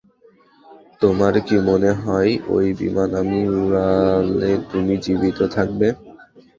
তোমার কী মনে হয় ওই বিমান আমি না উড়ালে তুমি জীবিত থাকতে?